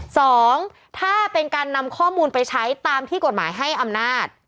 สองถ้าเป็นการนำข้อมูลไปใช้ตามที่กฎหมายให้อำนาจ